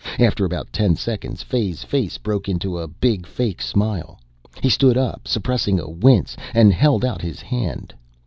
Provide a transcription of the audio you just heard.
After about ten seconds Fay's face broke into a big fake smile. He stood up, suppressing a wince, and held out his hand.